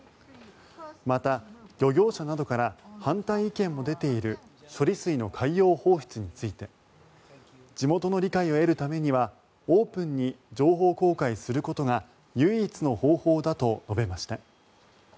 また、漁業者などから反対意見も出ている処理水の海洋放出について地元の理解を得るためにはオープンに情報公開することが唯一の方法だと述べました。